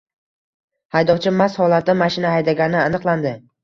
Haydovchi mast holatda mashina haydagani aniqlandi